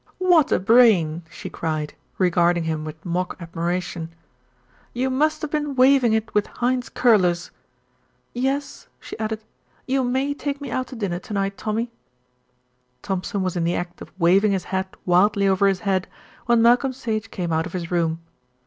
"What a brain!" she cried, regarding him with mock admiration. "You must have been waving it with Hindes' curlers. Yes," she added, "you may take me out to dinner to night, Tommy." Thompson was in the act of waving his hat wildly over his head when Malcolm Sage came out of his room.